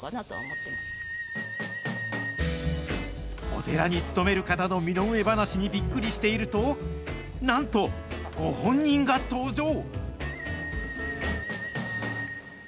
お寺に務める方の身の上話にびっくりしていると、なんと、ご本人が登場。